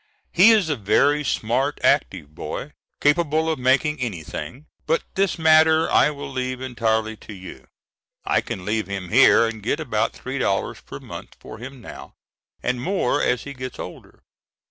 He is a very smart, active boy, capable of making anything; but this matter I will leave entirely to you. I can leave him here and get about three dollars per month for him now, and more as he gets older.